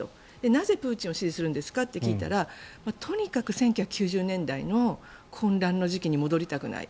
なぜ、プーチンを支持するんですかと聞いたらとにかく１９９０年代の混乱の時期に戻りたくない。